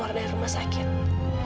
karena amira bisa istirahat di rumah